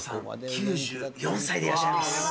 ９４歳でいらっしゃいます。